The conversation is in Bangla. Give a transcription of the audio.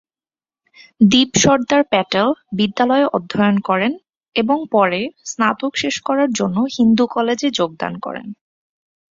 দীপ সর্দার প্যাটেল বিদ্যালয়ে অধ্যয়ন করেন এবং পরে স্নাতক শেষ করার জন্য হিন্দু কলেজে যোগদান করেন।